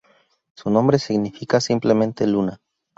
Su nombre significa simplemente, "Luna".